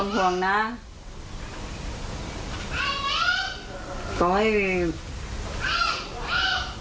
ยิงกับของหนูอีก